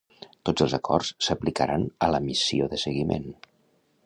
Tots els acords s'aplicaran a la missió de seguiment.